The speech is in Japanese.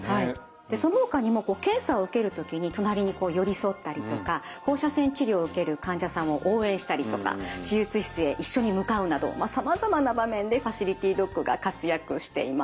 そのほかにも検査を受ける時に隣に寄り添ったりとか放射線治療を受ける患者さんを応援したりとか手術室へ一緒に向かうなどさまざまな場面でファシリティドッグが活躍しています。